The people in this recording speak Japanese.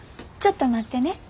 ちょっと待ってね。